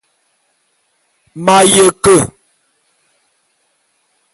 M'aye ke.